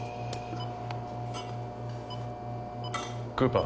クーパー。